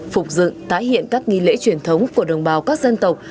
phục dựng tái hiện các nghi lễ truyền thống của đồng bào các dân tộc